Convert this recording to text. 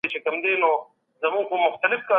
په اوبو کې غوټه وهل د مغز د فعالیت کچه زیاتوي.